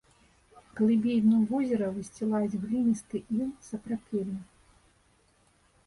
Глыбей дно возера высцілаюць гліністы іл і сапрапелі.